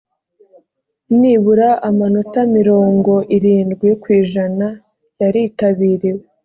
nibura amanota mirongo irindwi ku ijana yaritabiriwe